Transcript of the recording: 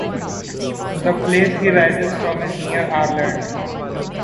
The place he rises from is near our land.